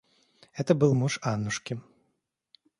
Это был муж Аннушки.